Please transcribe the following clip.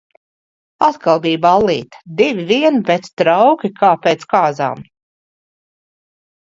Atkal bija ballīte, divi vien, bet trauki kā pēc kāzām.